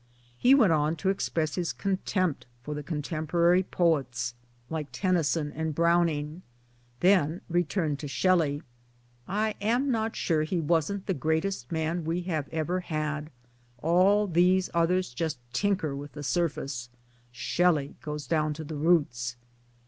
He went on to express his contempt for the contemporary poets, 122 MY DAYS AND DREAMS like Tennyson and Browning ; then returned to Shelley : "I am not sure he wasn't the greatest man we have ever had : all these others just tinker with the surface ; Shelley goes down to the roots."